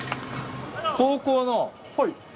高校の。